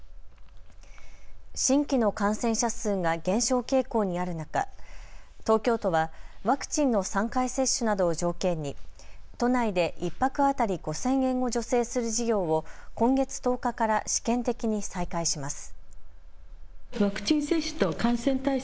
新規の感染者数が減少傾向にある中、東京都はワクチンの３回接種などを条件に都内で１泊当たり５０００円を助成する事業を今月１０日から試験的に再開します。